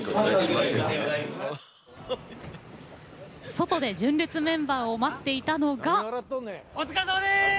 外で純烈メンバーを待っていたのは。